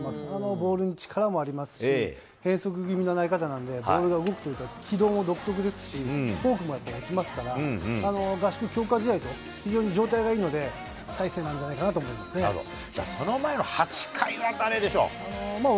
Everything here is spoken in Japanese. ボールに力もありますし、変則気味の投げ方なんで、ボールが動くと、軌道も独特ですし、フォークもやっぱり落ちますから、合宿強化試合で非常に状態がいいので、大勢なんじゃないかなと思なるほど。